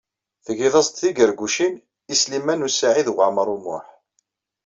Tgid-as-d tigargucin i Sliman U Saɛid Waɛmaṛ U Muḥ.